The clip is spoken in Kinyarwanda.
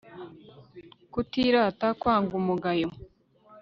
kutirata, kwanga umugayo